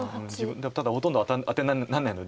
ただほとんどあてになんないので。